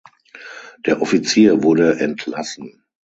Der Offizier wurde entlassen.